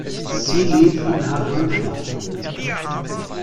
Sie lebt in Hannover.